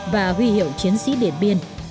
và huy hiệu chiến sĩ điện biên